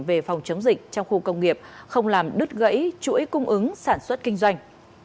về phòng chống dịch trong khu công nghiệp không làm đứt gãy chuỗi cung ứng sản xuất kinh doanh